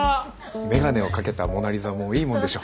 眼鏡をかけたモナ・リザもいいもんでしょ珍しくて。